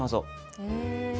へえ。